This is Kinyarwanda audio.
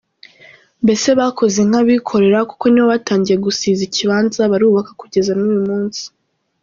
Mbese bakoze nk’abikorera kuko nibo batangiye gusiza ikibanza barubaka kugeza n’uyu munsi”.